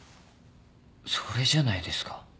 それじゃないですか？